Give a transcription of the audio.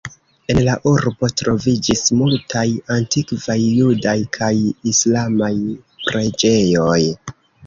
En la urbo troviĝis multaj antikvaj judaj kaj islamaj preĝejoj.